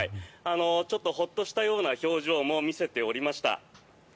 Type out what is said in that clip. ちょっとホッとしたような表情も見せておりました。